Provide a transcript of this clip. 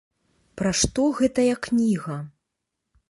Пра што гэтая кніга?